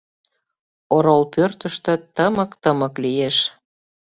Орол пӧртыштӧ тымык-тымык лиеш.